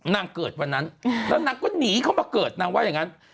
นางเกิดวันนั้นแล้วนางก็หนีเข้ามาเกิดนางว่าอย่างนั้น